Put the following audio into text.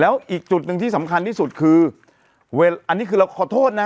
แล้วอีกจุดหนึ่งที่สำคัญที่สุดคืออันนี้คือเราขอโทษนะ